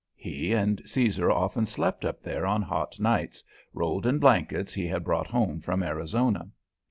He and Caesar often slept up there on hot nights, rolled in blankets he had brought home from Arizona.